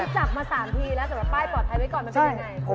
จับมา๓ทีแล้วสำหรับป้ายปลอดภัยไว้ก่อนมันเป็นยังไง